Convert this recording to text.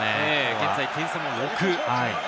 現在、点差も６。